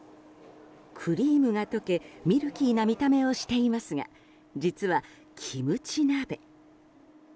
クリームが溶けミルキーな見た目をしていますが実は、キムチ鍋。